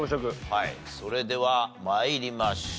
はいそれでは参りましょう。